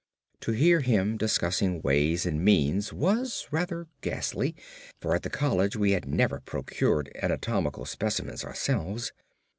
To hear him discussing ways and means was rather ghastly, for at the college we had never procured anatomical specimens ourselves.